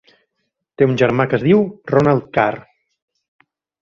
Té un germà que es diu Ronald Carr.